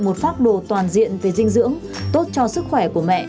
một phác đồ toàn diện về dinh dưỡng tốt cho sức khỏe của mẹ